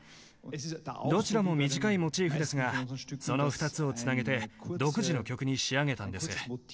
どちらも短いモチーフですがその２つを繋げて独自の曲に仕上げたんです。